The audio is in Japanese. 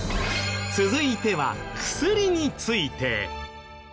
続いては薬について。